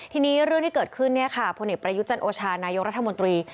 ทีนี้เรื่องที่เกิดขึ้นเนี่ยค่ะผลิตประยุทธ์จันทร์โอชานายกรัฐมนตรี